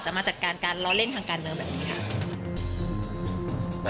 จะมาจัดการการเล่าเล่นทางการเนิ่มแบบนี้ค่ะ